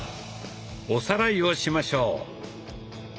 おさらいをしましょう。